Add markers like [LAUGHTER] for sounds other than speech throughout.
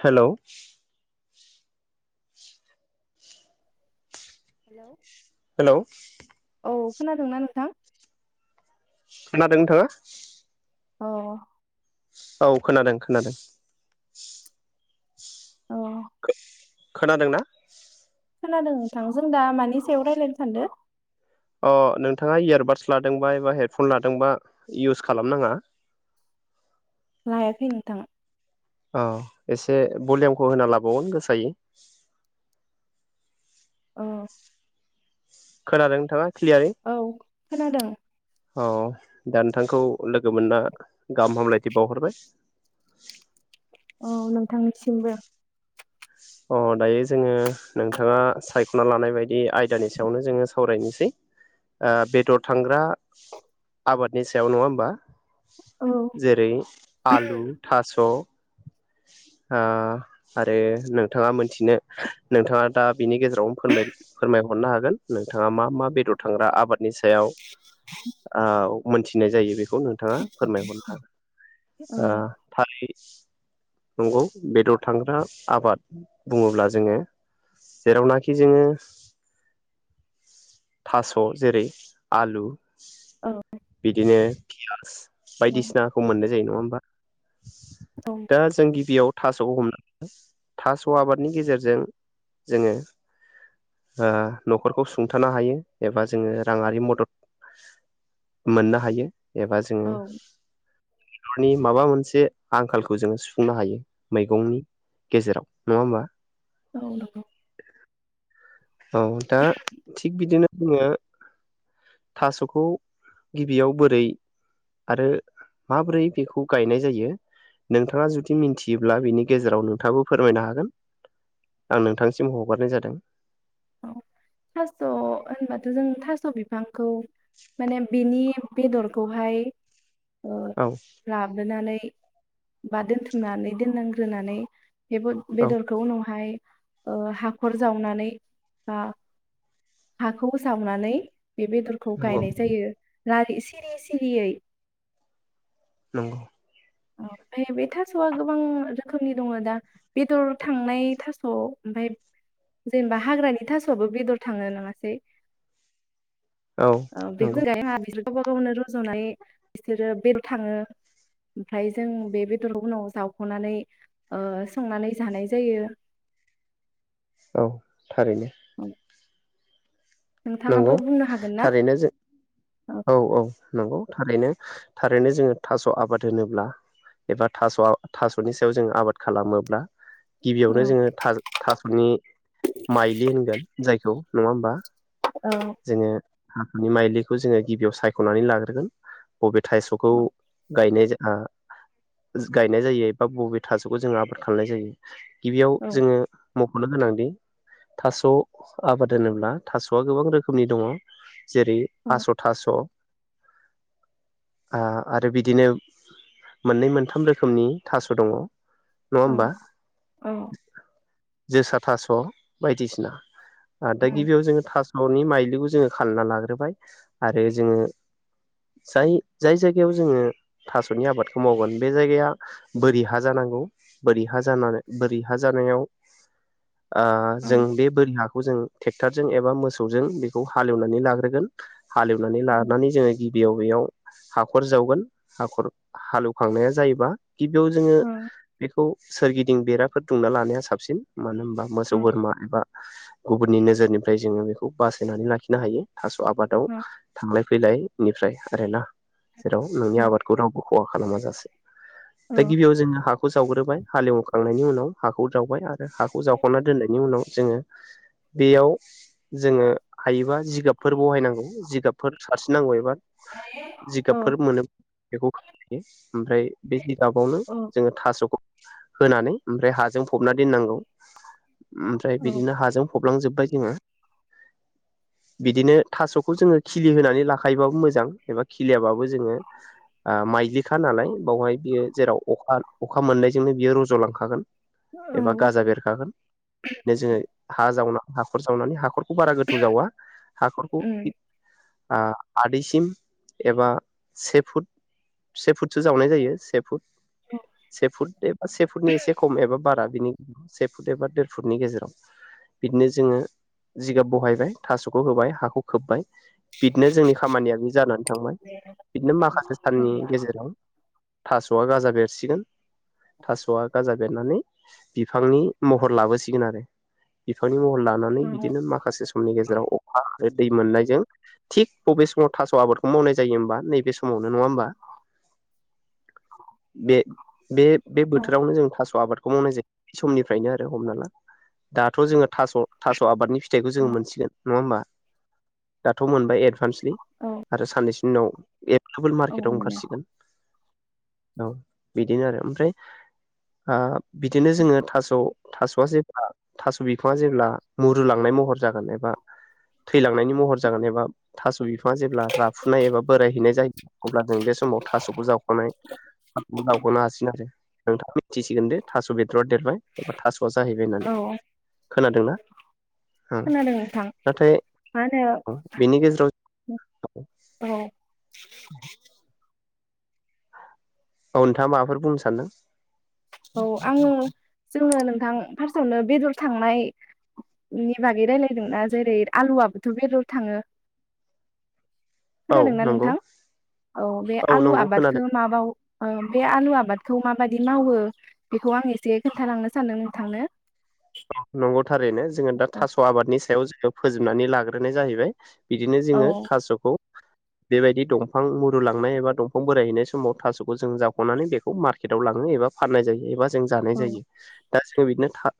हेल'। Hello. Hello. औ खोनादोंना नोंथां। खोनादों नोंथाङा। औ। औ खोनादों खोनादों। अ। खोनादोंना। खोनादों नोंथां जों दा मानि सायाव रायज्लायनो सानदों। अ नोंथाङा इयारबादस लादोंबा एबा हेडफन लादोंबा इउस खालाम नाङा। लायाखै नोंथां। औ एसे भलिमखौ होना लाबावगोन गोसायै। औ। खोनादों नोंथाङा। औ खोनादों। अ दा नोंथांखौ लोगो मोनना गाहाम हामलायथि बावहरबाय औ नोंथांनिसि मबो अ दायो जोङो नोंथाङा सायख'ना लानाय बायदि आयदानि सायावनो जोङो सावरायनोसै बेदर थांग्रा आबादनि सायाव नङा होमबा? औ जेरै आलु थास' आरो नोंथाङा मोनथिनो नोंथाङा दा बिनि गेजेरावनो फोरमाय फोरमायह मोननो हागोन नोंथाङा मा मा बेदर थांग्रा आबादनि सा सायाव औ मोनथिनाय जायो बे खौ नोंथाङा फोरमायहरनो हागोन ओ थालि नंगौ बेदर थांग्रा आबाद बुङोब्ला जोङो जेरावनाखि जोङो थास' जेरै आलु औ बिदिनो [UNINTELLIGIBLE] बायदिसिनाखौ मोननाय जायो नङा होमबा? औ दा जों गिबियाव थास' हमनो ह थास' आबादनि गेजेरजों जोङो ओ न'खरखौ सुंथानो हायो एबा जोङो राङारि मदद मोननो हायो। एबा जोङो औ बेरनि माबा मोनसे आंखालखौ जोङो सुफुंनो हायो मैगंनि गेजेराव नङा होमबा? औ नंगौ औ दा थिग बिदिनो जोङो थास'खौ गिबियाव बोरै आरो माबोरै बेखौ गायनाय जायो नोंथाङा जुदि मिथियोब्ला बिनि गेजेराव नोंथाङाबो फोरमायनो हागोन आं नोंथांसिम हगारनाय जादों औ थास' होनबाथ' जों थास' बिफांखौ माने बिनि बेदरखौहाय ओ औ लाबोनानै बा दोनथुमनानै दोननांग्रोनानै [UNINTELLIGIBLE] औ बेदरखौ उनावहाय ओ हाखर जावनानै बा हाखौ जावनानै बे बेदरखौ नंगौ गायनाय जायो। लारि सिरि सिरियै नंगौ ओमफ्राय बे थास'आ गोबां रोखोमनि दङ दा बेदर थांनाय थास'आव ओमफ्राय जेनेबा हाग्रानि थास'आबो बेदर थाङो नङासै औ नंगौ [UNINTELLIGIBLE] गावबा गावनो रज'नानै बिसोरो बेदर थाङो ओमफ्राय जों बे बेदर उनाव जावख'नानै ओ संनानै जानाय जायो। औ थारैनो औ नोंगौ ना थारैनो जों औ औ नंगौ थारैनो थारैनो जोङो थास' आबाद होनोब्ला एबा थास' थास'नि सायाव जोङो आबाद खालामोब्ला औ गिबियावनो जोङो था थास'नि माइलि होनगोन जायखौ नङा होमबा औ जोङो। माइलिखौ जोङो गिबियाव सायख'नानै लाग्रोगोन बबे थास'खौ औ गायनाय गायनाय जायो एबा बबे थास'खौ जोङो आबाद खालामनाय जायो। गिबियाव औ जोङो। मख'नो गोनांदि थास' आबाद होनोब्ला थास'आ गोबां रोखोम रोखोमनि दङ जेरै औ आस' थास'आ आरो बिदिनो मोननै मोनथाम रोखोमनि थास' दङ। नङा औ होनबा। औ जोसा थास' बायदिसिना। आरो दा गिबियाव जोङो थास'नि जोङो खालामनानै लाग्रोबाय आरो जोङो जाय जाय जायगायाव जोङो थास'नि आबादखौ मावगोन बे जायगाया बोरि हा जानांगौ बोरि हा जानानै बोरि हा जानायाव। ओ जों बे बोरि हा हखौ जों ट्रेकटरजों एबा मोसौजों। बेखौ हालेवनानै लाग्रोगोन। हालेवनानै लानानै जोङो गिबियाव बेयाव हाखर जावगोन हाखर हालेवखांनाया जायोबा गिबियाव जोङो औ बेखौ सोरगिदिं बेराफोर दुंमना लानाया साबसिन। मानो होनबा मोसौ बोरमा एबा गुबुननि नोजोरनिफ्राय जोङो बेखौ बास नानै लाखिनो हायो। थास' आबादाव औ थांलाय फैलाय बेनिफ्राय आरो ना । जेराव औ नोंनि आबादखौ रावबो खहा खालामा जासे। औ दा गिबियाव जोङो हा खौ जावग्रोबाय हालेवखांनायनि उनाव हाखौ जावबाय आरो हाखौ जावखांना दोननायनि उनाव जोङो बेयाव जोङो हायोबा जिगाबफोर बहायनांगौ जिगाबफोर सारस्रिनांगौ एबा औ जिगाबफोर मोनो। बेखौ खोब [UNINTELLIGIBLE] ओमफ्राय बे जिगाबावनो औ जोङो थास'खौ होनानै ओमफ्राय हाजों फबना दोननांगौ। ओमफ्राय औ बिदिनो हाजों फब - फबलांजोब्बाय जों। बिदिनो थास'खौ जोङो खिलिहोनानै लाखायोबाबो मोजां एबा खिलियाबो जोङो माइदिखा नालाय बेवहाय बियो जेराव अखा अखा मोननायजोंनो बियो रज'लांखागोन। एबा गाजा बेरखागोन बेनो जोङो हा जावना। हाखर जावनानै हाखर जावा हाखरखौ। आ-आदैसिम एबा से फुट से फुटसो जावनाय जायो से फुट से फुट एबा से फुटनि एसे खम एबा बारा बिनि से फुट एबा देर फुटनि गेजेराव बिदिनो जोङो जिगाब बहाय थास'खौ होबाय हाखौ खोब्बाय बिदिनो जोंनि खामानियाबो जानानै थांबाय बिदिनो माखासे साननि गेजेराव थास'आ गाजा बेरसिगोन थास'आ गाजा बेरनानै बिफांनि महर लाबोसिगोन आरो बिफां महर लानानै बिदिनो माखासे सम गेजेराव अखा आरो दै मोननायजों थिग बबे समाव थास' आबादखौ मावनाय जायो होमबा नैबे समावनो। नङा होमबा बे-बे-बे बोथोरावनो जों थास' आबादखौ मावनाय जायो समनिफ्रायनो आरो हमना ला दाथ' जोङो थास' थास' आबादनि फिथाइखौ जो मोन नङा होमबा दाथ' मोनबाय ए [UNINTELLIGIBLE] औ आरो साननैसो [UNINTELLIGIBLE] [UNINTELLIGIBLE] मार्केटाव मोनो ओंखारसिगोन। औ बिदिनो आरो ओमफ्राय ओ बिदिनो जोङो थास' थास'आ जेब्ला थास' बिफाङा जेब्ला मुरुलांनाय महर जागोन बा थैलांनायनि महर जागोन एबा थास' बिफां जेब्ला राफुनाय एबा बोरायहैनाय जायो अब्ला जों बे समाव थास'खौ जावख'नाय जावख'नो हासिगोन आरो नोंथाङा मिथिसिगोन दे थास' बेदरा देरबाय एबा थास' ज जाहैबाय होननानै औ खोनादोंना होम। [UNINTELLIGIBLE] नोंथां मा होनो बेनि गेजेराव औ [INAUDIBLE] औ नोंथाङा माबाफोर बुंनो सानदों? औ आङो जोङो नोंथां फार्स्टआवनो बेदर थांनायनि बागै रायलायदोंना जेरै आलुआबोथ' बेदर थाङो। औ खोनादोंना नंगौ नोंथां औ बे आलु नंगौ खोनादों आबादखो माबाव ओ बे आलु आबाद आबादखौ माबादि मावो बेखौ आं एसे खोन्थालांनो सानदों नोंथांनो। [UNINTELLIGIBLE] नंगौ थारैनो जोङो दा औ थास' आबादनि सायाव जों बेयाव फोजोबनानै लाग्रोनाय जाहैबाय। बिदिनो जोङो औ थास'खौ बेबायदि दंफां मुरु लांनाय एबा दंफां बोरायहैनाय समाव थास'खौ जों जावख'नानै बेखौ मार्केटआव लाङो एबा फाननाय जायो एबा जों जानाय औ जायो। दा जोङो बिदिनो था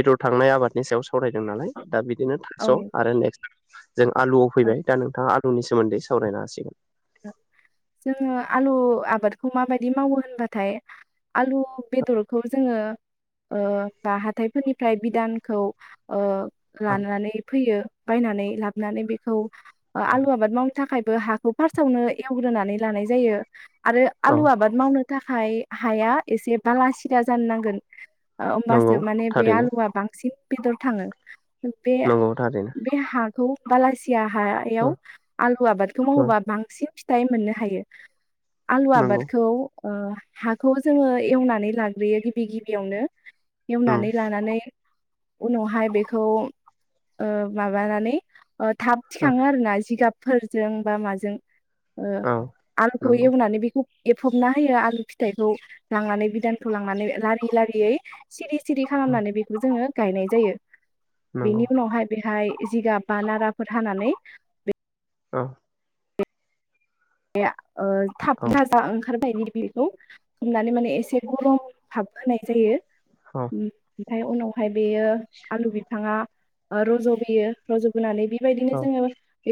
बेदर थांनाय आबादनि सायाव फरायदों नालाय दा बिदिनो औ थाक्स'आरो नेक्स्ट जों आलुआव फैबाय दा नोंथाङा आल ननि सोमोन्दै सावरायनो हासिगोन । जोङो आलु आबादखौ माबायदि मावो होनबाथाय आलु बेदरखौ जोङो ओ बा हाथायफोरनिफ्राय बिदानखौ ओ लानानै फैयो । बायनानै लाबनानै बेखौ आं आलु आाबाद मावनो थाख खायबो हाखौ फार्स्टावनो एवग्रोनानै लानाय जायो । आरो औ आलु आबाद मावनो थाखाय हाया एसे बालासिदा जानो नांगोन। नंगौ ओमबासो माने बे थारैनो आलुआ बांसिन बेदर थाङो बे नंगौ थारैनो बे हाखौ बालासि या हायाव औ आलु आबादखौ औ मावोबा बांसिन फिथाइ मोननो हायो । आलु नंगौ आबादखौ ओ हाखौ जोङो एवनानै लाग्रोयो गिबि गिबियावनो औ एवनानै लानानै । उनावहाय बेखौ ओ माबानानै ओ थाब थिखाङो आरो ना जिगाब फोरजों बा माजों ओ औ औ आलुखौ नंगौ एवनानै बेखौ एफबना होयो आलु फिथाइखौ लांनानै बिदानखौ लांनानै लारि -लारियै सिरि सिरि औ खालामनानै बेखौ जोङो गायनाय जायो नंगौ बेनि उनावहाय बेहाय जिगाब बा नाराफोर हानानै बे औ या ओ थाब औ गाजा ओंखारबाय बेखौ होमनानै माने एसे गरम थाब होनाय जायो औ उम ओमफ्राय उनावहाय बेयो आलु बिफाङा रज'बोयो रज'बोनानै बेबायदिनो औ जोङो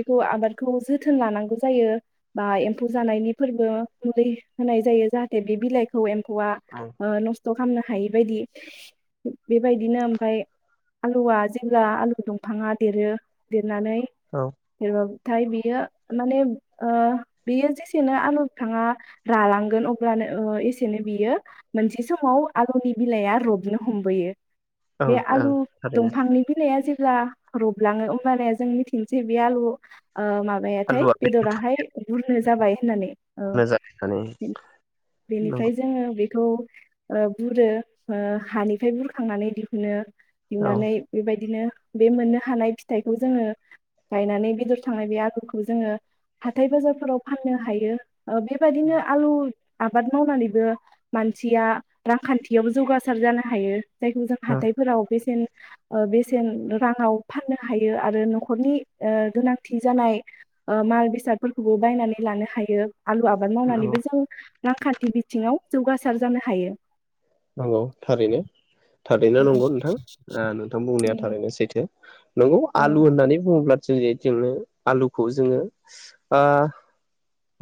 खौ आबादखौ जोथोन लानांगौ जायो बा एम्फौ जानायनि फोरबो मुलि होनाय जायो जाहाथे बे बिलाइखौ एम फौआ औ ओ न स्थ' खालामनो हायि बायदि बेबायदिनो ओमफ्राय आलुआ जेब्ला आलु दंफाङा देरो देर नानै औ [UNINTELLIGIBLE] नाथाय बियो माने ओ बेयो जेसेनो आलु बिफाङा रालांगोन अब्लानो ओ एसेनो बियो मोनसे समाव आलुनि बिलाइआ रबनो हमबोयो ओं बे ओं आलु थारैनो दंफांनि बिलाइआ जे ब्ला रबलाङो होमब्लानिया जों मिथिनोसै बे आलु ओ माबायाथाय आलुआ बेदराहाय बुरनो जाबाय होननानै औ बेखौनो जानानै बेनिफ्राय नंगौ जोङो खौ ओ बुरो ओ हानिफ्राय बुरखांनानै दिहुनो औ दिहुननानै बेबायदिनो बे मोननो हानाय फिथाइखौ जोङो गायनानै बेदर थांनाय बे आलुखौ जोङो हा थाय बाजारफोराव फाननो हायो ओ बेबायदिनो आलु आबाद मावनानैबो मानसिया रांखान्थियावबो जौगासार जानो हायो जायखौ जों औ हाथायफोराव बेसेन बेसेन राङाव फाननो हायो आरो न'खरनि ओ गोनांथि जानाय ओ माल बेसाद फोरखौबो बायनानै लानो हायो आलु आबाद नंगौ मावनानैबो जों रांखान्थि बिथिङाव जौगासार जानो हायो औ थारैनो थारैनो नंगौ नोंथां नोंथां बुंनाया थारैनो सैथो नंगौ औ आलु होननानै बुङोब्ला जों जेजोंबो आलुखौ जोङो बा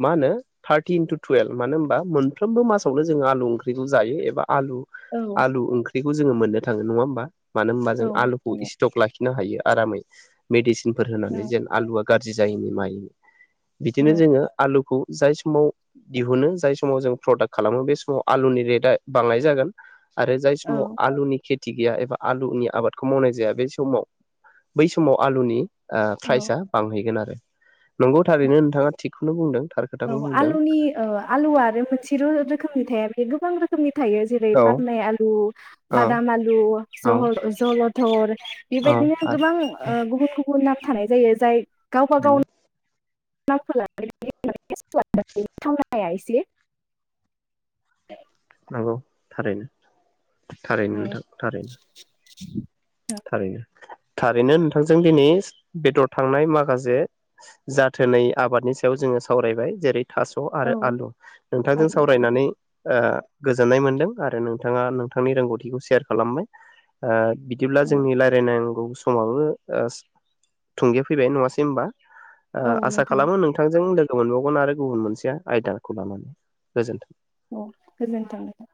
मा होनो थारटि इनटु टुयेल्भ। मानो होनबा मोनफ्रोमबो मासावनो जोंयो आलु ओंख्रिखौ जायो एबा आलु औ आलु ओंख्रि खौ जोङो मोननो थाङो । नङा होमबा? मानो होमबा औ जों आलुखौ इस्टक ला खिनो हायो आरामै मेदिसि फोर औ होनानै जेन आलुवा गाज्रि जायिनि मायिनि बिदिनो जोङो आलुखौ जाय समाव दिहुनो जाय समाव जों प्रडाक्ट खालामो बे समाव बालाय जागोन। आरो जाय समाव औ आलुनि खेथ थि गैया एबा आलुनि आबादखौ मावनाय जाया । बे समाव बै समाव आलुनि ओ औ प्राइजआ बांहैगोन आरो नंगौ औ थारैनो नोंथाङा थिग खौनो बुंदों। थार औ खोथाखौनो बुंदों आलुनि ओ आलुआ आरो मोनसेर' रोखोमनि थाया बे गोबां रोख थायो जेरै औ फाथनाय आलु, औ बादाम आलु, औ जहल ओ जलद। [UNINTELLIGIBLE] औ बेबायदिनो गोबां ओ आरो गुबुन गु [UNINTELLIGIBLE] थानाय जायो जाय नोंगौ। [UNINTELLIGIBLE] इसे। नंगौ थारैनो। थारैनो नोंथां थारैनो। [INAUDIBLE] थारैनो। थारैनो नोंथांजों दिनै बेदर थांनाय माखासे जाथोनै आबादनि सायाव जोङो सावरायबाय । जेरै थास' नंगौ आरो नोंथां आलु औ नोंथांजों आरो सावरायनानै ओ गोजोननाय मोनदों आरो नोंथाङा नोंथांनि रोंगौथिखौ सेयार खालामबाय ओ बि दिब्ला औ जोंनि लायरायनांगौ समाबो ओस थुंगे फैबाय। नङासै होमबा? ओ औ आसा नोंथां खालामो नोंथांजों लो गो मोनबावगोन आरो गुबुन मोनसेया आयदाखौ लानानै गोजोनथों। उम गोजोन्थों।